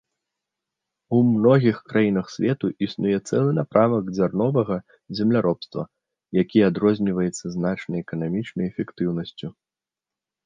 У многіх краінах свету існуе цэлы напрамак дзярновага земляробства, які адрозніваецца значнай эканамічнай эфектыўнасцю.